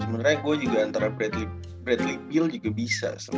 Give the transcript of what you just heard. sebenernya gue juga antara bradley peel juga bisa